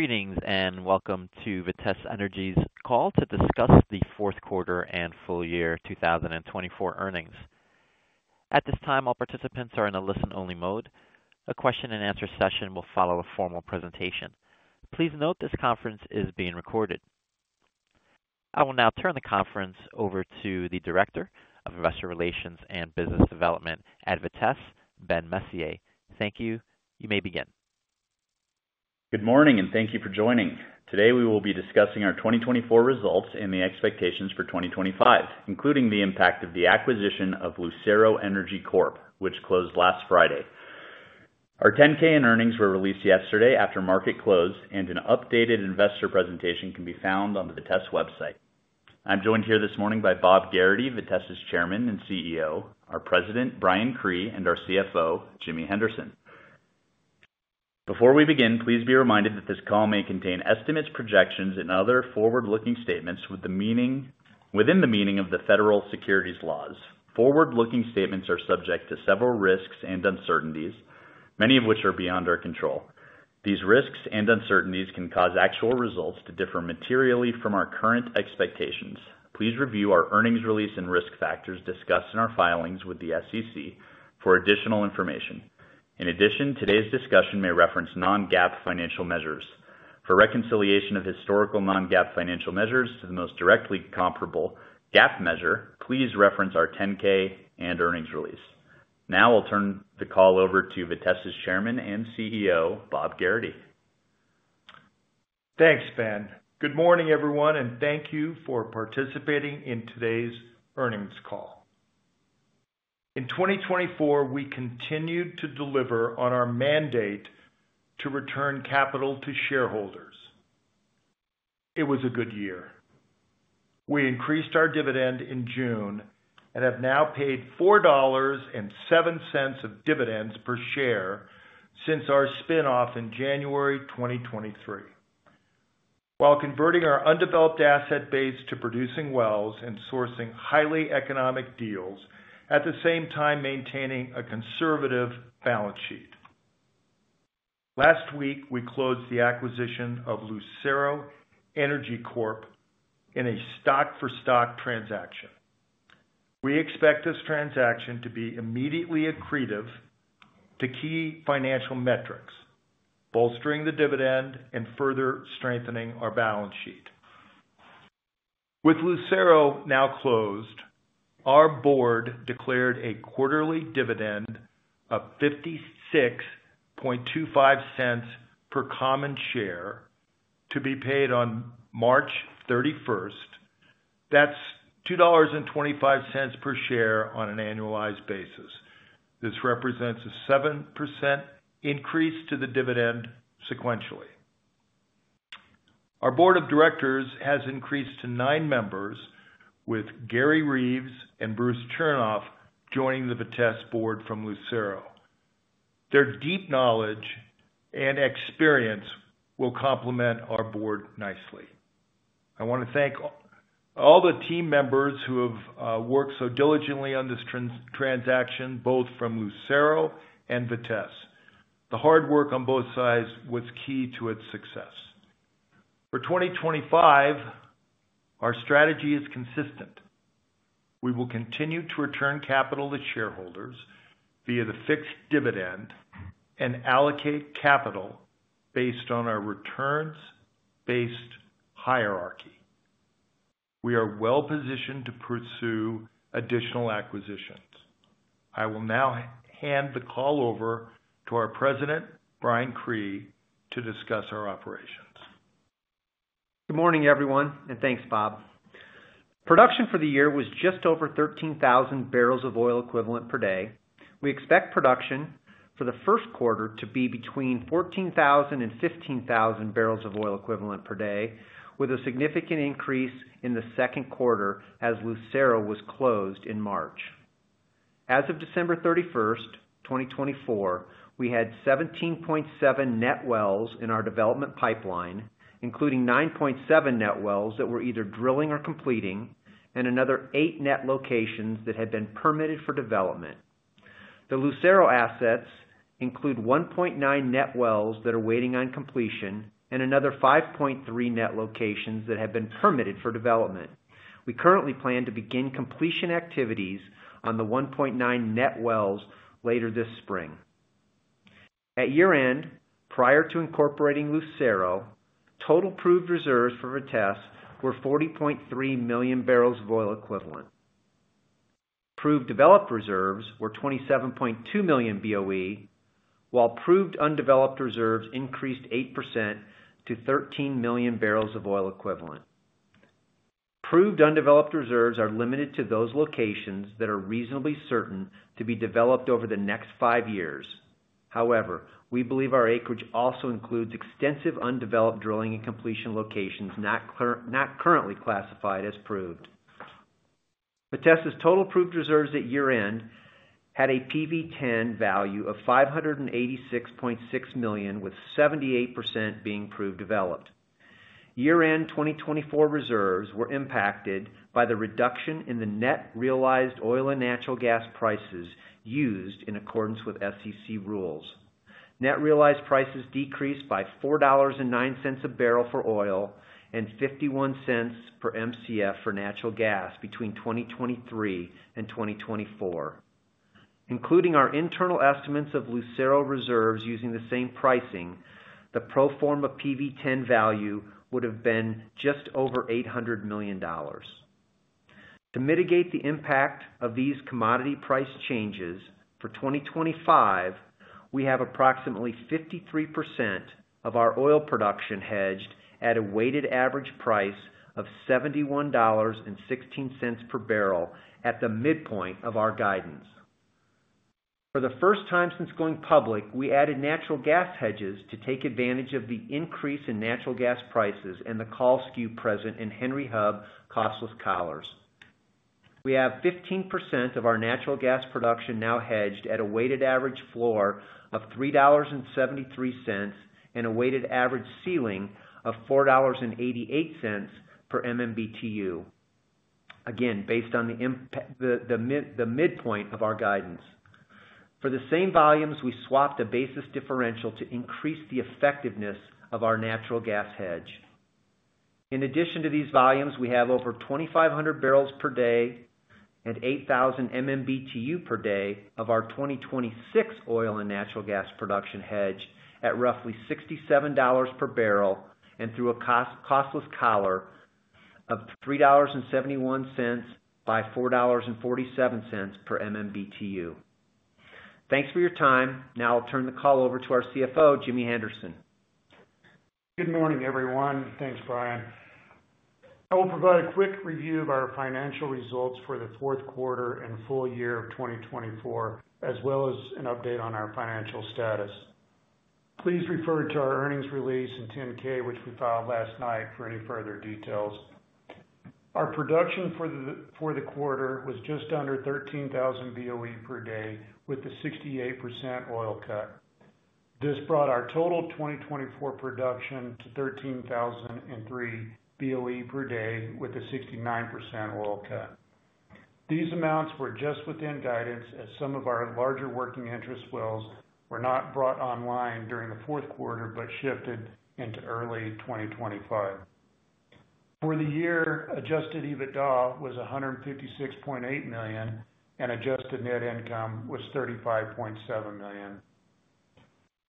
Greetings and welcome to Vitesse Energy's call to discuss the fourth quarter and full year 2024 earnings. At this time, all participants are in a listen-only mode. A question-and-answer session will follow a formal presentation. Please note this conference is being recorded. I will now turn the conference over to the Director of Investor Relations and Business Development at Vitesse, Ben Messier. Thank you. You may begin. Good morning and thank you for joining. Today we will be discussing our 2024 results and the expectations for 2025, including the impact of the acquisition of Lucero Energy Corp, which closed last Friday. Our 10-K in earnings were released yesterday after market close, and an updated investor presentation can be found on the Vitesse website. I'm joined here this morning by Bob Gerrity, Vitesse's Chairman and CEO, our President, Brian Cree, and our CFO, Jimmy Henderson. Before we begin, please be reminded that this call may contain estimates, projections, and other forward-looking statements within the meaning of the federal securities laws. Forward-looking statements are subject to several risks and uncertainties, many of which are beyond our control. These risks and uncertainties can cause actual results to differ materially from our current expectations. Please review our earnings release and risk factors discussed in our filings with the SEC for additional information. In addition, today's discussion may reference non-GAAP financial measures. For reconciliation of historical non-GAAP financial measures to the most directly comparable GAAP measure, please reference our 10-K and earnings release. Now I'll turn the call over to Vitesse's Chairman and CEO, Bob Gerrity. Thanks, Ben. Good morning, everyone, and thank you for participating in today's earnings call. In 2024, we continued to deliver on our mandate to return capital to shareholders. It was a good year. We increased our dividend in June and have now paid $4.07 of dividends per share since our spin-off in January 2023, while converting our undeveloped asset base to producing wells and sourcing highly economic deals, at the same time maintaining a conservative balance sheet. Last week, we closed the acquisition of Lucero Energy Corp in a stock-for-stock transaction. We expect this transaction to be immediately accretive to key financial metrics, bolstering the dividend and further strengthening our balance sheet. With Lucero now closed, our board declared a quarterly dividend of $0.5625 per common share to be paid on March 31st. That's $2.25 per share on an annualized basis. This represents a 7% increase to the dividend sequentially. Our board of directors has increased to nine members, with Gary Reaves and Bruce Chernoff joining the Vitesse board from Lucero. Their deep knowledge and experience will complement our board nicely. I want to thank all the team members who have worked so diligently on this transaction, both from Lucero and Vitesse. The hard work on both sides was key to its success. For 2025, our strategy is consistent. We will continue to return capital to shareholders via the fixed dividend and allocate capital based on our returns-based hierarchy. We are well positioned to pursue additional acquisitions. I will now hand the call over to our President, Brian Cree, to discuss our operations. Good morning, everyone, and thanks, Bob. Production for the year was just over 13,000 bbl of oil equivalent per day. We expect production for the first quarter to be between 14,000 bbl and 15,000 bbl of oil equivalent per day, with a significant increase in the second quarter as Lucero was closed in March. As of December 31st, 2024, we had 17.7 net wells in our development pipeline, including 9.7 net wells that were either drilling or completing, and another eight net locations that had been permitted for development. The Lucero assets include 1.9 net wells that are waiting on completion and another 5.3 net locations that have been permitted for development. We currently plan to begin completion activities on the 1.9 net wells later this spring. At year-end, prior to incorporating Lucero, total proved reserves for Vitesse were 40.3 million barrels of oil equivalent. Proved developed reserves were 27.2 million BOE, while proved undeveloped reserves increased 8% to 13 million barrels of oil equivalent. Proved undeveloped reserves are limited to those locations that are reasonably certain to be developed over the next five years. However, we believe our acreage also includes extensive undeveloped drilling and completion locations not currently classified as proved. Vitesse's total proved reserves at year-end had a PV-10 value of $586.6 million, with 78% being proved developed. Year-end 2024 reserves were impacted by the reduction in the net realized oil and natural gas prices used in accordance with SEC rules. Net realized prices decreased by $4.09 a barrel for oil and $0.51 per MCF for natural gas between 2023 and 2024. Including our internal estimates of Lucero reserves using the same pricing, the pro forma PV-10 value would have been just over $800 million. To mitigate the impact of these commodity price changes, for 2025, we have approximately 53% of our oil production hedged at a weighted average price of $71.16 per barrel at the midpoint of our guidance. For the first time since going public, we added natural gas hedges to take advantage of the increase in natural gas prices and the call skew present in Henry Hub costless collars. We have 15% of our natural gas production now hedged at a weighted average floor of $3.73 and a weighted average ceiling of $4.88 per MMBtu, again, based on the midpoint of our guidance. For the same volumes, we swapped a basis differential to increase the effectiveness of our natural gas hedge. In addition to these volumes, we have over 2,500 barrels per day and 8,000 MMBtu per day of our 2026 oil and natural gas production hedge at roughly $67 per barrel and through a costless collar of $3.71 by $4.47 per MMBtu. Thanks for your time. Now I'll turn the call over to our CFO, Jimmy Henderson. Good morning, everyone. Thanks, Brian. I will provide a quick review of our financial results for the fourth quarter and full year of 2024, as well as an update on our financial status. Please refer to our earnings release and 10-K, which we filed last night, for any further details. Our production for the quarter was just under 13,000 BOE per day with a 68% oil cut. This brought our total 2024 production to 13,003 BOE per day with a 69% oil cut. These amounts were just within guidance as some of our larger working interest wells were not brought online during the fourth quarter but shifted into early 2025. For the year, adjusted EBITDA was $156.8 million, and adjusted net income was $35.7 million.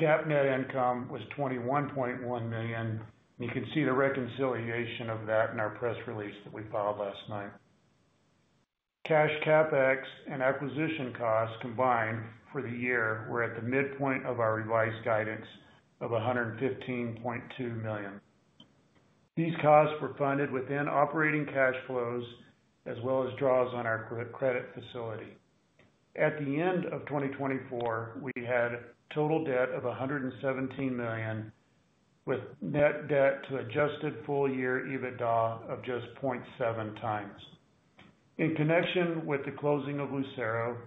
GAAP net income was $21.1 million, and you can see the reconciliation of that in our press release that we filed last night. Cash CapEx and acquisition costs combined for the year were at the midpoint of our revised guidance of $115.2 million. These costs were funded within operating cash flows as well as draws on our credit facility. At the end of 2024, we had total debt of $117 million, with net debt to adjusted full year EBITDA of just 0.7x. In connection with the closing of Lucero,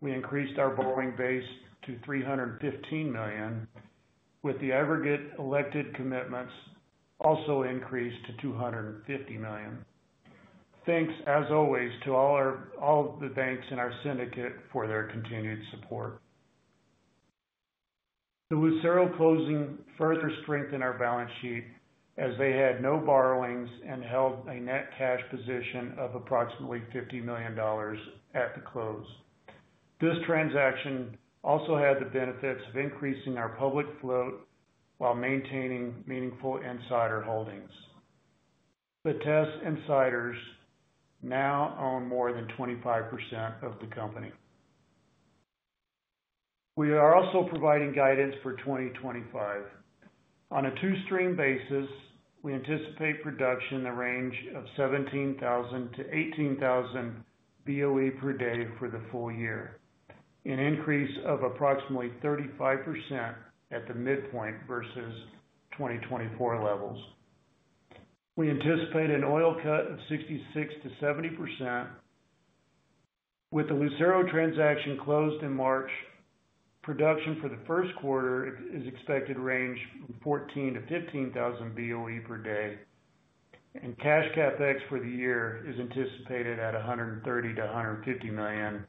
we increased our borrowing base to $315 million, with the aggregate elected commitments also increased to $250 million. Thanks, as always, to all of the banks in our syndicate for their continued support. The Lucero closing further strengthened our balance sheet as they had no borrowings and held a net cash position of approximately $50 million at the close. This transaction also had the benefits of increasing our public float while maintaining meaningful insider holdings. Vitesse insiders now own more than 25% of the company. We are also providing guidance for 2025. On a two-stream basis, we anticipate production in the range of 17,000-18,000 BOE per day for the full year, an increase of approximately 35% at the midpoint versus 2024 levels. We anticipate an oil cut of 66%-70%. With the Lucero transaction closed in March, production for the first quarter is expected to range from 14,000-15,000 BOE per day, and cash CapEx for the year is anticipated at $130 million-$150 million,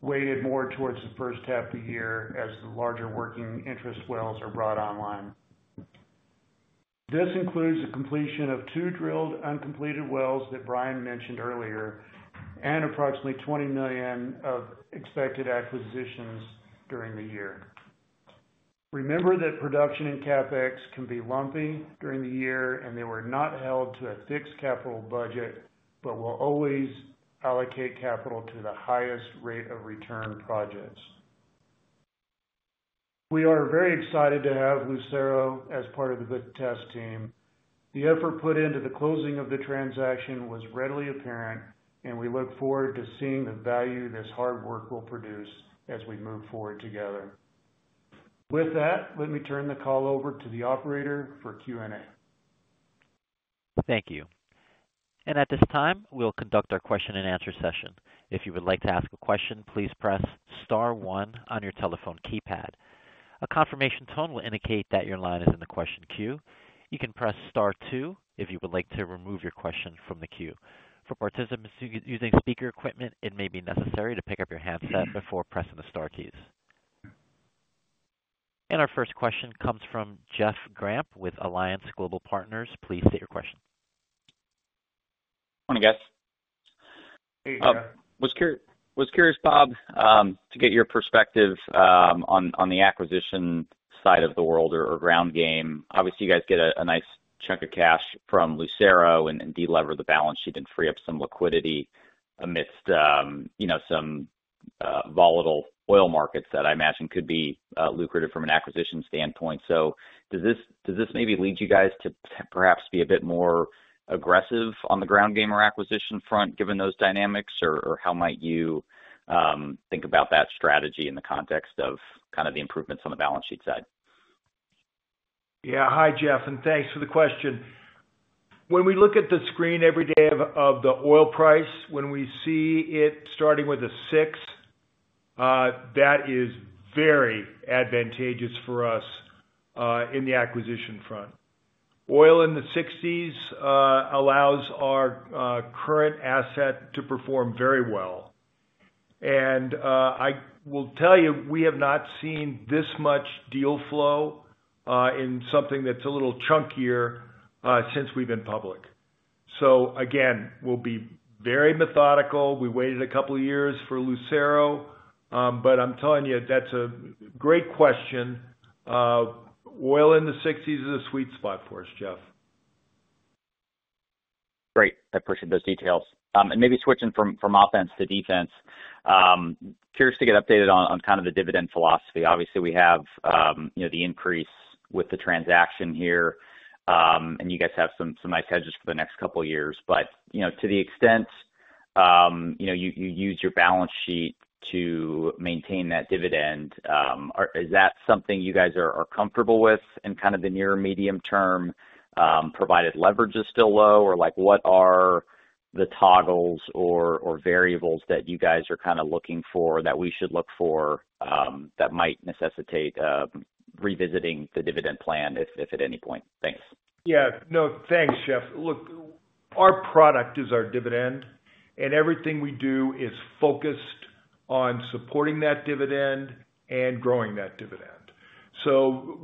weighted more towards the first half of the year as the larger working interest wells are brought online. This includes the completion of two drilled but uncompleted wells that Brian mentioned earlier and approximately $20 million of expected acquisitions during the year. Remember that production and CapEx can be lumpy during the year, and they were not held to a fixed capital budget, but will always allocate capital to the highest rate of return projects. We are very excited to have Lucero as part of the Vitesse team. The effort put into the closing of the transaction was readily apparent, and we look forward to seeing the value this hard work will produce as we move forward together. With that, let me turn the call over to the operator for Q&A. Thank you. At this time, we'll conduct our question-and-answer session. If you would like to ask a question, please press Star 1 on your telephone keypad. A confirmation tone will indicate that your line is in the question queue. You can press Star 2 if you would like to remove your question from the queue. For participants using speaker equipment, it may be necessary to pick up your handset before pressing the Star keys. Our first question comes from Jeff Grampp with Alliance Global Partners. Please state your question. Morning, guys. Was curious, Bob, to get your perspective on the acquisition side of the world or ground game. Obviously, you guys get a nice chunk of cash from Lucero and delever the balance sheet and free up some liquidity amidst some volatile oil markets that I imagine could be lucrative from an acquisition standpoint. Does this maybe lead you guys to perhaps be a bit more aggressive on the ground game or acquisition front given those dynamics, or how might you think about that strategy in the context of kind of the improvements on the balance sheet side? Yeah. Hi, Jeff, and thanks for the question. When we look at the screen every day of the oil price, when we see it starting with a 6, that is very advantageous for us in the acquisition front. Oil in the 60s allows our current asset to perform very well. I will tell you, we have not seen this much deal flow in something that's a little chunkier since we've been public. We will be very methodical. We waited a couple of years for Lucero, but I'm telling you, that's a great question. Oil in the 60s is a sweet spot for us, Jeff. Great. I appreciate those details. Maybe switching from offense to defense, curious to get updated on kind of the dividend philosophy. Obviously, we have the increase with the transaction here, and you guys have some nice hedges for the next couple of years. To the extent you use your balance sheet to maintain that dividend, is that something you guys are comfortable with in kind of the near medium term? Provided leverage is still low, what are the toggles or variables that you guys are kind of looking for that we should look for that might necessitate revisiting the dividend plan if at any point? Thanks. Yeah. No, thanks, Jeff. Look, our product is our dividend, and everything we do is focused on supporting that dividend and growing that dividend.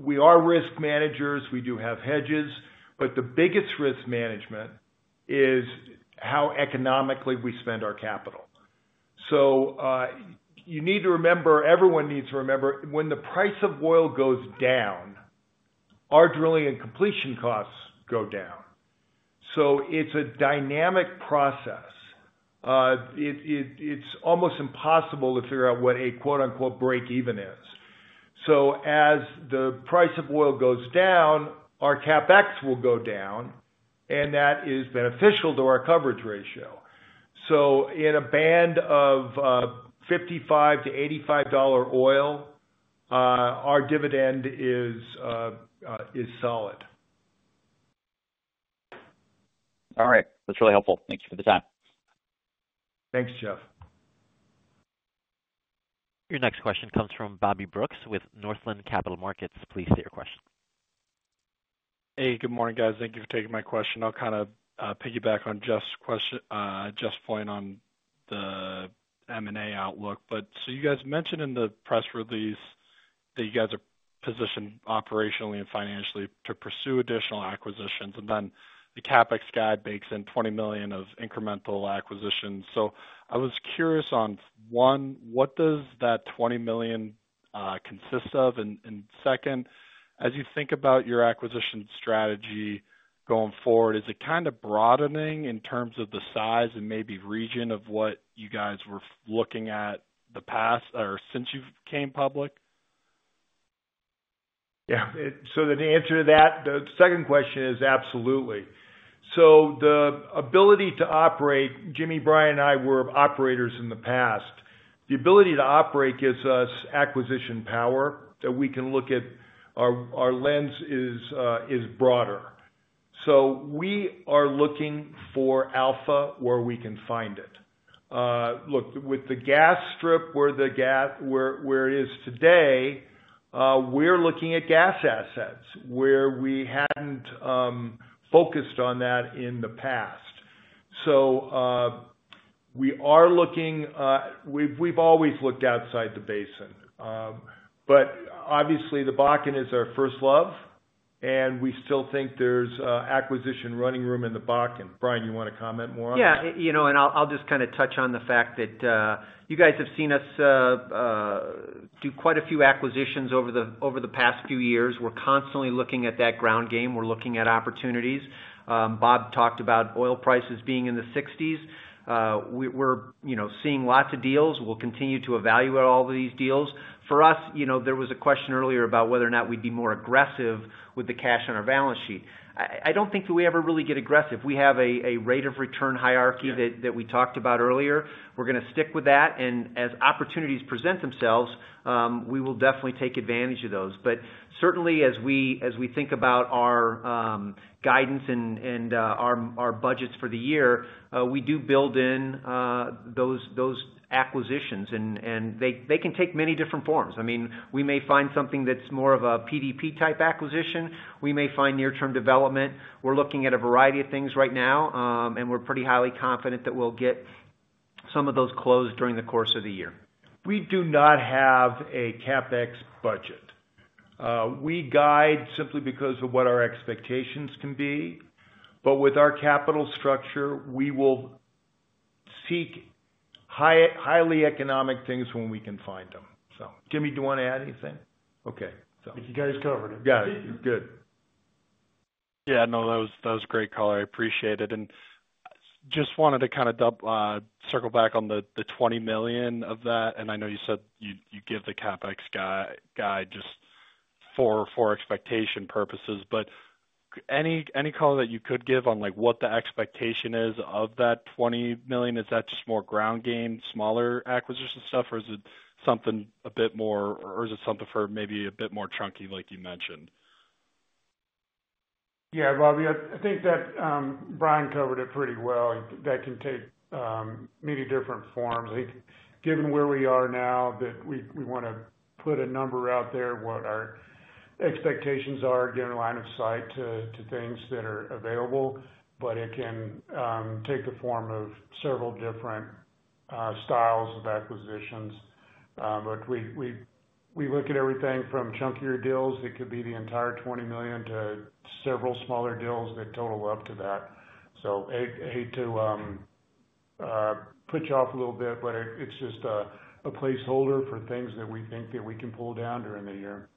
We are risk managers. We do have hedges, but the biggest risk management is how economically we spend our capital. You need to remember, everyone needs to remember, when the price of oil goes down, our drilling and completion costs go down. It is a dynamic process. It is almost impossible to figure out what a "break-even" is. As the price of oil goes down, our CapEx will go down, and that is beneficial to our coverage ratio. In a band of $55-$85 oil, our dividend is solid. All right. That's really helpful. Thank you for the time. Thanks, Jeff. Your next question comes from Bobby Brooks with Northland Capital Markets. Please state your question. Hey, good morning, guys. Thank you for taking my question. I'll kind of piggyback on Jeff's point on the M&A outlook. You guys mentioned in the press release that you are positioned operationally and financially to pursue additional acquisitions, and then the CapEx guide bakes in $20 million of incremental acquisitions. I was curious on, one, what does that $20 million consist of? Second, as you think about your acquisition strategy going forward, is it kind of broadening in terms of the size and maybe region of what you were looking at in the past or since you came public? Yeah. The answer to that, the second question is absolutely. The ability to operate, Jimmy, Brian, and I were operators in the past. The ability to operate gives us acquisition power that we can look at, our lens is broader. We are looking for alpha where we can find it. Look, with the gas strip where it is today, we're looking at gas assets where we hadn't focused on that in the past. We are looking, we've always looked outside the basin. Obviously, the Bakken is our first love, and we still think there's acquisition running room in the Bakken. Brian, you want to comment more on that? Yeah. I'll just kind of touch on the fact that you guys have seen us do quite a few acquisitions over the past few years. We're constantly looking at that ground game. We're looking at opportunities. Bob talked about oil prices being in the 60s. We're seeing lots of deals. We'll continue to evaluate all of these deals. For us, there was a question earlier about whether or not we'd be more aggressive with the cash on our balance sheet. I don't think that we ever really get aggressive. We have a rate of return hierarchy that we talked about earlier. We're going to stick with that. As opportunities present themselves, we will definitely take advantage of those. Certainly, as we think about our guidance and our budgets for the year, we do build in those acquisitions, and they can take many different forms. I mean, we may find something that's more of a PDP-type acquisition. We may find near-term development. We're looking at a variety of things right now, and we're pretty highly confident that we'll get some of those closed during the course of the year. We do not have a CapEx budget. We guide simply because of what our expectations can be. With our capital structure, we will seek highly economic things when we can find them. Jimmy, do you want to add anything? Okay. You guys covered it. Got it. Good. Yeah. No, that was great color. I appreciate it. I just wanted to kind of circle back on the $20 million of that. I know you said you give the CapEx guide just for expectation purposes, but any color that you could give on what the expectation is of that $20 million, is that just more ground game, smaller acquisition stuff, or is it something a bit more, or is it something for maybe a bit more chunky, like you mentioned? Yeah, Bobby, I think that Brian covered it pretty well. That can take many different forms. I think given where we are now, that we want to put a number out there, what our expectations are, get a line of sight to things that are available, but it can take the form of several different styles of acquisitions. We look at everything from chunkier deals that could be the entire $20 million to several smaller deals that total up to that. I hate to put you off a little bit, but it's just a placeholder for things that we think that we can pull down during the year.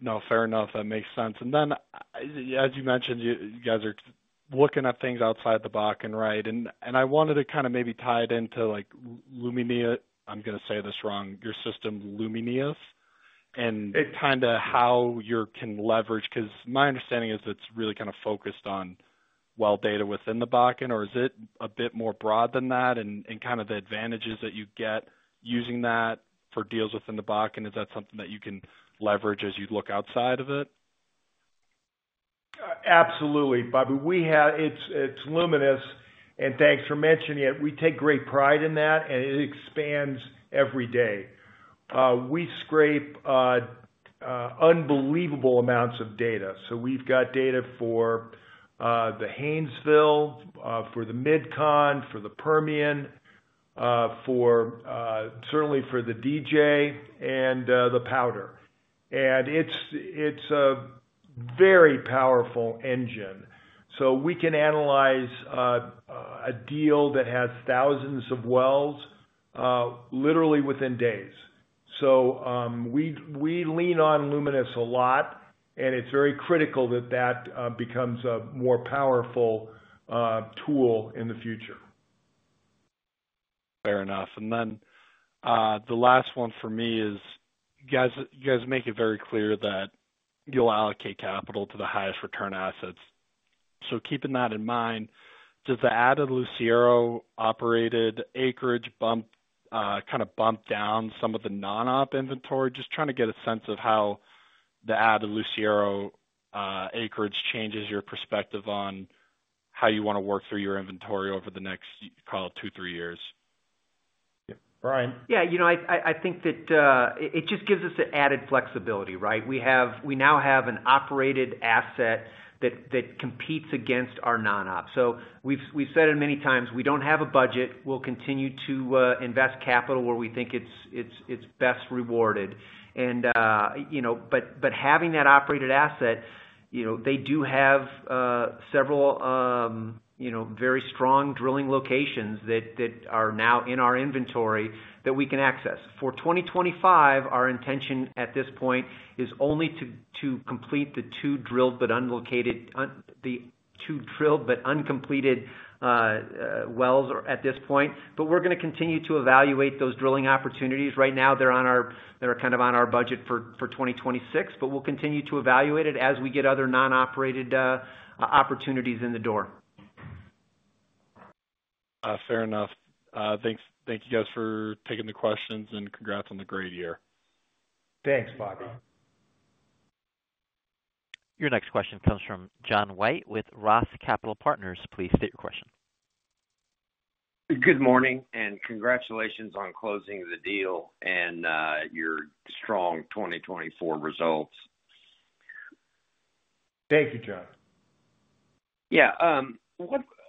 No, fair enough. That makes sense. You guys are looking at things outside the Bakken, right? I wanted to kind of maybe tie it into Luminis. I'm going to say this wrong, your system, Luminis, and kind of how you can leverage because my understanding is it's really kind of focused on well data within the Bakken, or is it a bit more broad than that? The advantages that you get using that for deals within the Bakken, is that something that you can leverage as you look outside of it? Absolutely. Bobby, it's Luminis, and thanks for mentioning it. We take great pride in that, and it expands every day. We scrape unbelievable amounts of data. We have data for the Haynesville, for the Midcon, for the Permian, certainly for the DJ, and the Powder. It is a very powerful engine. We can analyze a deal that has thousands of wells literally within days. We lean on Luminis a lot, and it is very critical that that becomes a more powerful tool in the future. Fair enough. The last one for me is you guys make it very clear that you'll allocate capital to the highest return assets. Keeping that in mind, does the added Lucero operated acreage kind of bump down some of the non-op inventory? Just trying to get a sense of how the added Lucero acreage changes your perspective on how you want to work through your inventory over the next, call it, two, three years. Yeah. Brian? Yeah. I think that it just gives us an added flexibility, right? We now have an operated asset that competes against our non-op. We've said it many times, we don't have a budget. We'll continue to invest capital where we think it's best rewarded. Having that operated asset, they do have several very strong drilling locations that are now in our inventory that we can access. For 2025, our intention at this point is only to complete the two drilled but uncompleted wells at this point. We're going to continue to evaluate those drilling opportunities. Right now, they're kind of on our budget for 2026, but we'll continue to evaluate it as we get other non-operated opportunities in the door. Fair enough. Thank you guys for taking the questions and congrats on the great year. Thanks, Bobby. Your next question comes from John White with Roth Capital Partners. Please state your question. Good morning and congratulations on closing the deal and your strong 2024 results. Thank you, John. Yeah.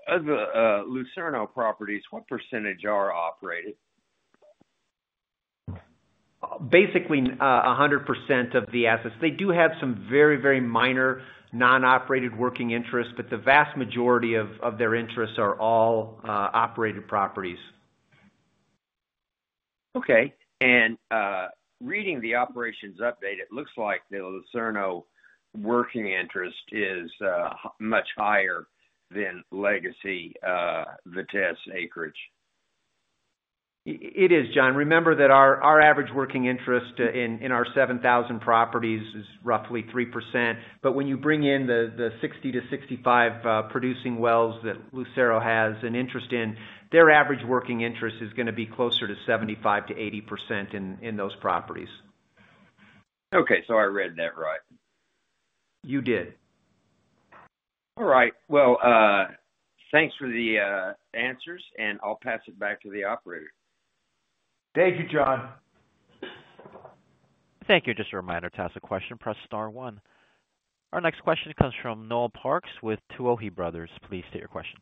Of the Lucero properties, what percentage are operated? Basically, 100% of the assets. They do have some very, very minor non-operated working interests, but the vast majority of their interests are all operated properties. Okay. Reading the operations update, it looks like the Lucero working interest is much higher than Legacy Vitesse acreage. It is, John. Remember that our average working interest in our 7,000 properties is roughly 3%. But when you bring in the 60-65 producing wells that Lucero has an interest in, their average working interest is going to be closer to 75%-80% in those properties. Okay. Did I read that right? You did. All right. Thanks for the answers, and I'll pass it back to the operator. Thank you, John. Thank you. Just a reminder to ask a question, press star one. Our next question comes from Noel Parks with Tuohy Brothers. Please state your question.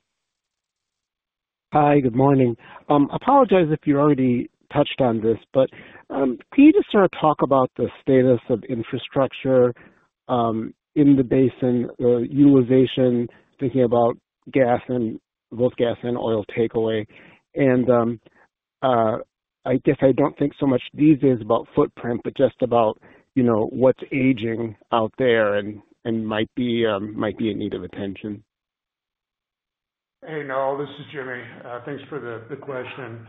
Hi, good morning. Apologize if you already touched on this, but can you just sort of talk about the status of infrastructure in the basin, the utilization, thinking about gas and both gas and oil takeaway? I guess I do not think so much these days about footprint, but just about what is aging out there and might be in need of attention. Hey, Noel, this is Jimmy. Thanks for the question.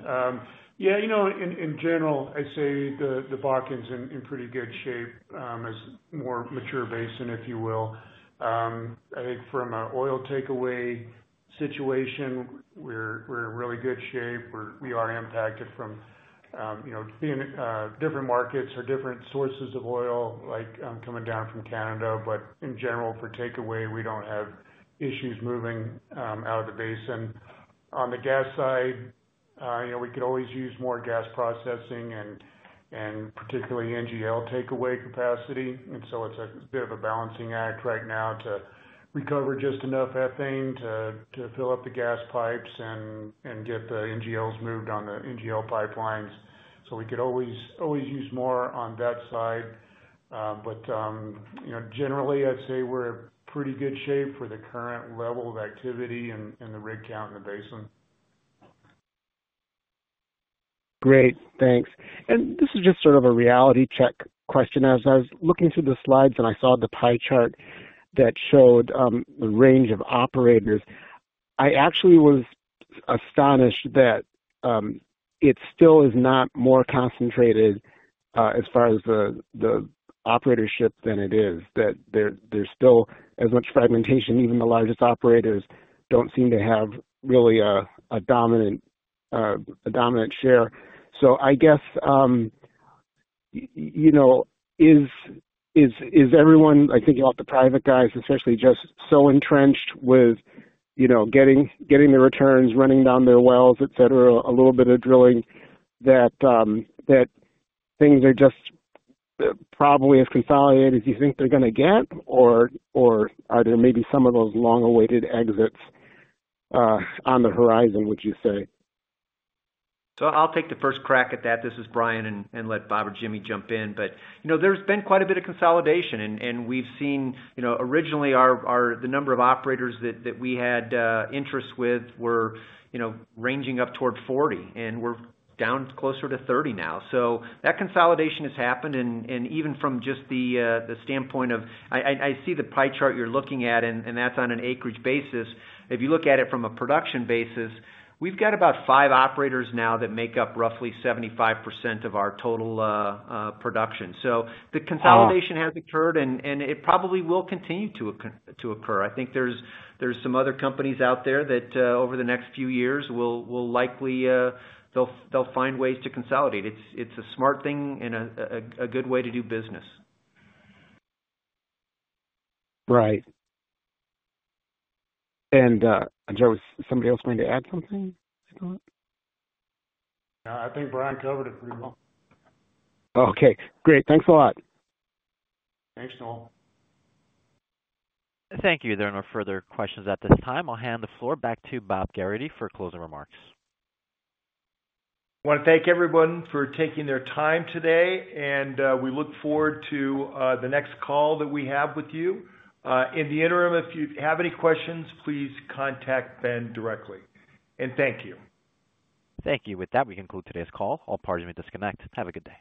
Yeah. In general, I'd say the Bakken's in pretty good shape as more mature basin, if you will. I think from an oil takeaway situation, we're in really good shape. We are impacted from different markets or different sources of oil, like coming down from Canada. In general, for takeaway, we don't have issues moving out of the basin. On the gas side, we could always use more gas processing and particularly NGL takeaway capacity. It's a bit of a balancing act right now to recover just enough ethane to fill up the gas pipes and get the NGLs moved on the NGL pipelines. We could always use more on that side. Generally, I'd say we're in pretty good shape for the current level of activity and the rig count in the basin. Great. Thanks. This is just sort of a reality check question. As I was looking through the slides and I saw the pie chart that showed the range of operators, I actually was astonished that it still is not more concentrated as far as the operatorship than it is, that there's still as much fragmentation. Even the largest operators don't seem to have really a dominant share. I guess, is everyone, I think about the private guys, especially just so entrenched with getting the returns, running down their wells, etc., a little bit of drilling, that things are just probably as consolidated as you think they're going to get, or are there maybe some of those long-awaited exits on the horizon, would you say? I'll take the first crack at that. This is Brian and let Bob or Jimmy jump in. There's been quite a bit of consolidation, and we've seen originally the number of operators that we had interest with were ranging up toward 40, and we're down closer to 30 now. That consolidation has happened. Even from just the standpoint of I see the pie chart you're looking at, and that's on an acreage basis. If you look at it from a production basis, we've got about five operators now that make up roughly 75% of our total production. The consolidation has occurred, and it probably will continue to occur. I think there's some other companies out there that over the next few years, they'll find ways to consolidate. It's a smart thing and a good way to do business. Right. Was somebody else going to add something? I think Brian covered it pretty well. Okay. Great. Thanks a lot. Thanks, Noel. Thank you. There are no further questions at this time. I'll hand the floor back to Bob Gerrity for closing remarks. I want to thank everyone for taking their time today, and we look forward to the next call that we have with you. In the interim, if you have any questions, please contact Ben directly. Thank you. Thank you. With that, we conclude today's call. All parties may disconnect. Have a good day.